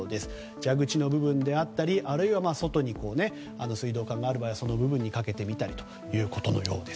蛇口の部分であったりあるいは外に水道管がある場合はその部分にかけてみたりということのようです。